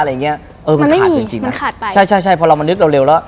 มันขาดจริงนะใช่พอเรามันนึกเร็วแล้ว